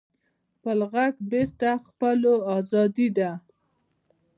خپل غږ بېرته خپلول ازادي ده.